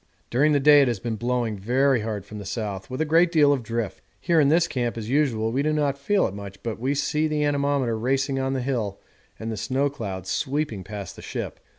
During the day it has been blowing very hard from the south, with a great deal of drift. Here in this camp as usual we do not feel it much, but we see the anemometer racing on the hill and the snow clouds sweeping past the ship.